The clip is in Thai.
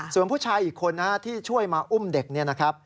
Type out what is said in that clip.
ส่วนผู้ชายอีกคนที่ช่วยมาอุ้มเด็กเนี่ยนะครับ